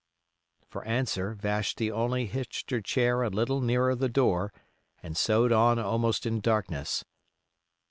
For answer Vashti only hitched her chair a little nearer the door and sewed on almost in darkness.